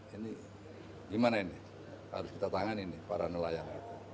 ini gimana ini harus kita tangan ini para nelayan